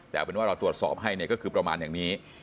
แต่ว่าเราตรวจสอบให้ก็คือประมาณอย่างนี้